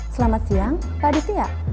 selamat siang pak aditya